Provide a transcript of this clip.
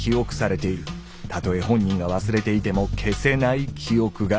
たとえ本人が忘れていても消せない記憶が。